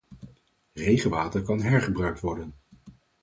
Regenwater kan hergebruikt worden